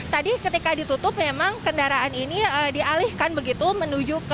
tadi ketika ditutup memang kendaraan ini dialihkan begitu menuju ke